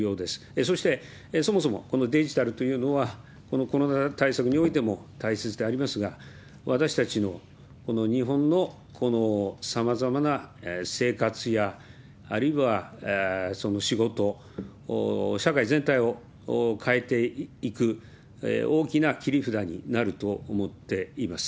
そして、そもそもこのデジタルというのは、このコロナ対策においても大切でありますが、私たちのこの日本のさまざまな生活や、あるいは仕事、社会全体を変えていく大きな切り札になると思っています。